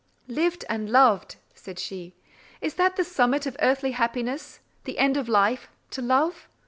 "Lived and loved!" said she, "is that the summit of earthly happiness, the end of life—to love?